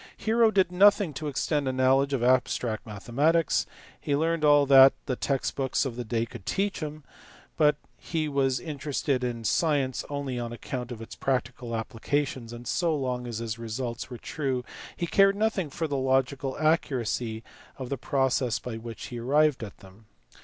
Hero did nothing to extend a knowledge of abstract mathematics ; he learnt all that the text books of the day could teach him, but he was interested in science only on account of its prac tical applications, and so long as his results were true he cared nothing for the logical accuracy of the process by which he arrived at them.